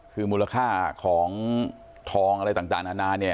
คือมูลค่าของทองอะไรต่างนานาเนี่ย